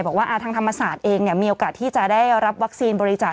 บอกว่าทางธรรมศาสตร์เองมีโอกาสที่จะได้รับวัคซีนบริจาค